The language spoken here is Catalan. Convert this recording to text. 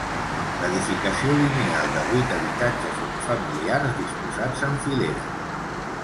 Edificació lineal de vuit habitatges unifamiliars disposats en filera.